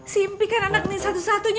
si empi kan anak satu satunya